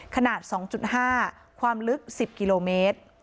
ขนาดสองจุดห้าความลึกสิบกิโลเมตร